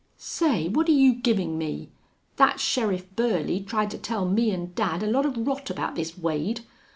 "Say, what're you giving me? That Sheriff Burley tried to tell me and dad a lot of rot about this Wade.